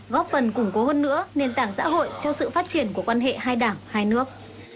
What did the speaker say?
góp phần củng cố hơn nữa nền tảng xã hội cho sự phát triển của quan hệ hai đảng hai nước